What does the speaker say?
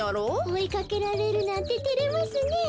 おいかけられるなんててれますねえ。